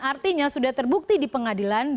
artinya sudah terbukti di pengadilan